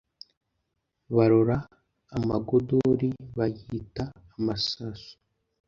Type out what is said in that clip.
Barora amagodora bayita amasaso